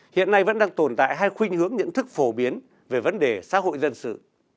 hiện nay vẫn đang tồn tại hai khuyên hướng nhận thức phổ biến về vấn đề xã hội dân sự